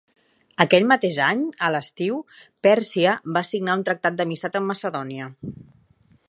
Aquell mateix any, a l'estiu, Pèrsia va signar un tractat d'amistat amb Macedònia.